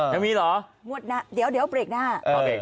ไม่มีเหรอเดี๋ยวเบรกหน้า